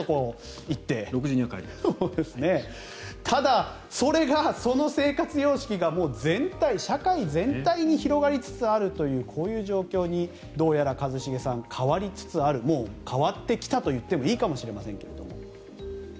ただ、その生活様式が社会全体に広がりつつあるというこういう状況にどうやら一茂さん変わりつつあるもう変わってきたと言ってもいいかもしれませんが。